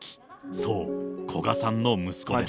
そう、古賀さんの息子です。